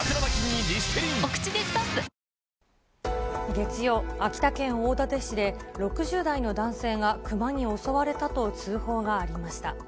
月曜、秋田県大館市で６０代の男性がクマに襲われたと通報がありました。